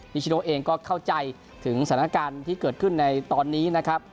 นิชโนเองก็เข้าใจถึงสถานการณ์ที่เกิดขึ้นในตอนนี้นะครับ